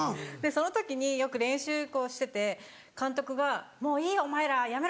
その時によく練習してて監督が「もういいお前らやめろ！